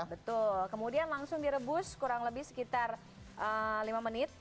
betul kemudian langsung direbus kurang lebih sekitar lima menit